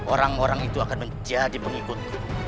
orang orang itu akan menjadi pengikut